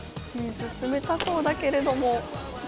冷たそうだけれども。